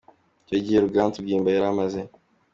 Icyo gihe, Ruganzu Bwimba yari amaze